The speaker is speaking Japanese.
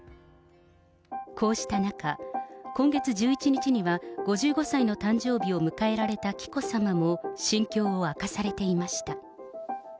こうした中、今月１１日には５５歳の誕生日を迎えられた紀子さまも、心境を明かされていました。